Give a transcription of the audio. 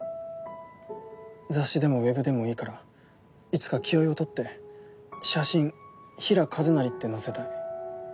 雑誌でもウェブでもいいからいつか清居を撮って「写真平良一成」って載せたい。